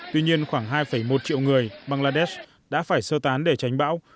tuy nhiên khoảng hai một triệu người bangladesh đã phải sơ tán để tránh bão